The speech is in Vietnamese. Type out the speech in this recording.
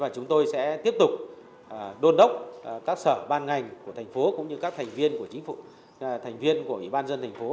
chúng tôi sẽ tiếp tục đôn đốc các sở ban ngành của thành phố cũng như các thành viên của ủy ban dân thành phố